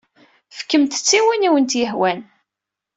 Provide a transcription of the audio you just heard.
Fkemt-tt i win i kent-yehwan.